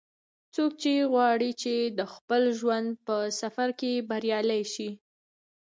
څوک غواړي چې د خپل ژوند په سفر کې بریالۍ شي